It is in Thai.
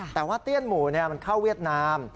แต่ว่าเตี้ยนหมู่มันเข้าเวียดนาม